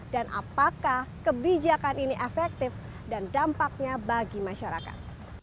dan apakah kebijakan ini efektif dan dampaknya bagi masyarakat